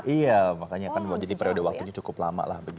iya makanya kan jadi periode waktunya cukup lama lah